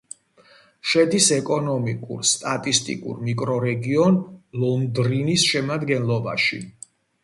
შედის ეკონომიკურ-სტატისტიკურ მიკრორეგიონ ლონდრინის შემადგენლობაში.